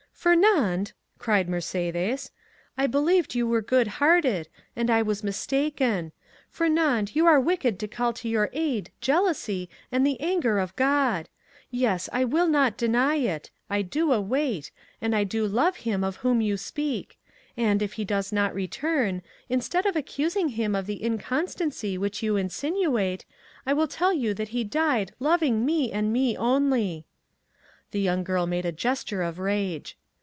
"Fernand," cried Mercédès, "I believed you were good hearted, and I was mistaken! Fernand, you are wicked to call to your aid jealousy and the anger of God! Yes, I will not deny it, I do await, and I do love him of whom you speak; and, if he does not return, instead of accusing him of the inconstancy which you insinuate, I will tell you that he died loving me and me only." The young girl made a gesture of rage.